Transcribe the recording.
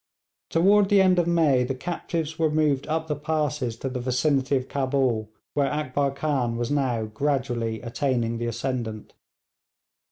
Toward the end of May the captives were moved up the passes to the vicinity of Cabul, where Akbar Khan was now gradually attaining the ascendant.